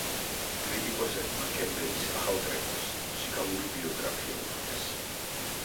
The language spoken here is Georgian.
კრიტიკოსებმა კემბელის ახალ კრებულს „მუსიკალური ბიოგრაფია“ უწოდეს.